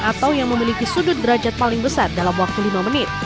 atau yang memiliki sudut derajat paling besar dalam waktu lima menit